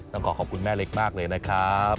ต้องขอขอบคุณแม่เล็กมากเลยนะครับ